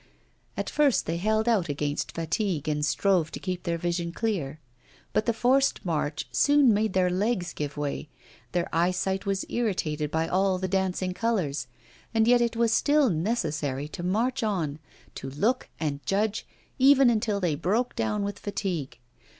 At first they held out against fatigue and strove to keep their vision clear; but the forced march soon made their legs give way, their eyesight was irritated by all the dancing colours, and yet it was still necessary to march on, to look and judge, even until they broke down with fatigue.